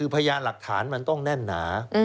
พยานหลักฐานมันต้องแน่นหนา